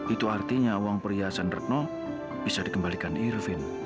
itu artinya uang perhiasan retno bisa dikembalikan irfin